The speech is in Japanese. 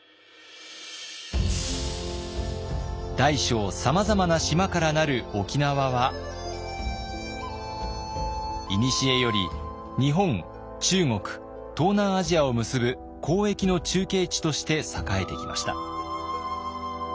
大小さまざまな島から成る沖縄はいにしえより日本中国東南アジアを結ぶ交易の中継地として栄えてきました。